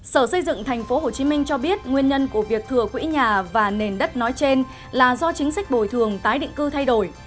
sở xây dựng tp hcm cho biết nguyên nhân của việc thừa quỹ nhà và nền đất nói trên là do chính sách bồi thường tái định cư thay đổi